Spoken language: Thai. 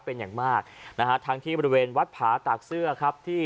เป็นอย่างมากนะฮะทั้งที่บริเวณวัดผาตากเสื้อครับที่